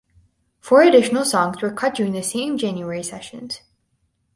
Four additional songs were cut during the same January sessions.